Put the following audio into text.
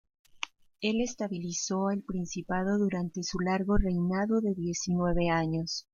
Él estabilizó el principado durante su largo reinado de diecinueve años.